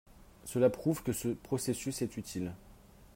Cela prouve que ce processus est utile.